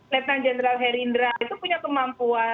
lieutenant general herindra itu punya kemampuan